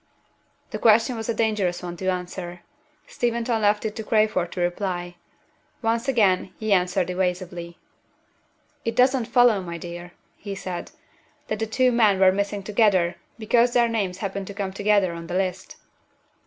The question was a dangerous one to answer. Steventon left it to Crayford to reply. Once again he answered evasively. "It doesn't follow, my dear," he said, "that the two men were missing together because their names happen to come together on the list."